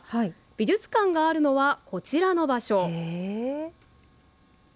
美術館があるのはこちらの場所。